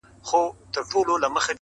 او عامو خلکو ته یې کرنه حرامه ده